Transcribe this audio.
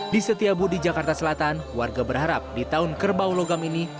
di setiabudi jakarta selatan warga berharap di tahun kerbau logam ini